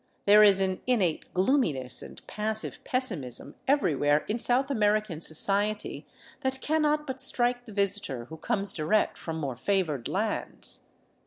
There is an innate gloominess and passive pessimism everywhere in South American society that cannot but strike the visitor who comes direct from more favored lands.